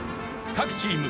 各チーム